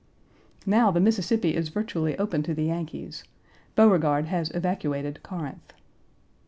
Now, the Mississippi is virtually open to the Yankees. Beauregard has evacuated Corinth.